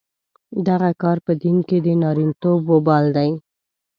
دغه کار په دین کې د نارینتوب وبال دی.